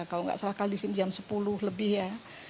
kalau nggak salah kali di sini jam sepuluh lebih ya